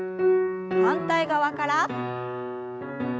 反対側から。